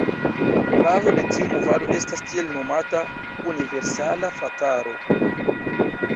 Bazo de tiu movado estas tiel nomata „Universala Frataro“.